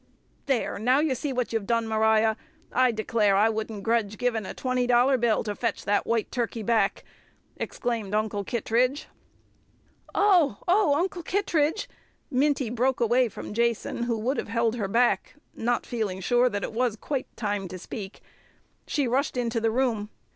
"There! Now you see what you've done, Maria! I declare I wouldn't gredge givin' a twenty dollar bill to fetch that white turkey back!" exclaimed Uncle Kittredge. "Oh, oh! Uncle Kittredge!" Minty broke away from Jason, who would have held her back, not feeling sure that it was quite time to speak, and rushed into the room.